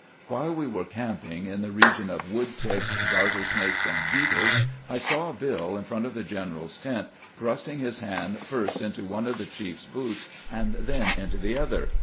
While we were camping in the region of wood ticks, garter snakes, and beetles, I saw Bill in front of the general's tent thrusting his hand first into one of the chiefs boots and then into the other.